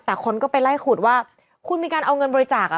แต่คนก็ไปไล่ขุดว่าคุณมีการเอาเงินบริจาคอ่ะ